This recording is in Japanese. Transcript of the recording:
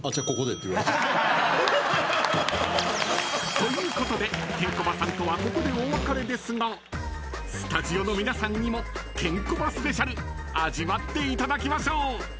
［ということでケンコバさんとはここでお別れですがスタジオの皆さんにもケンコバＳＰ味わっていただきましょう］